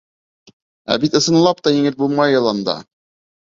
Ә бит ысынлап та еңел булмай яланда.